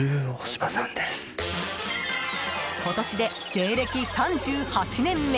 今年で芸歴３８年目！